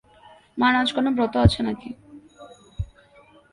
মার আজ কোনো ব্রত আছে নাকি!